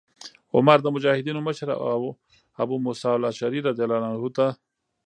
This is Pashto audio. عمر د مجاهدینو مشر ابو موسی الأشعري رضي الله عنه ته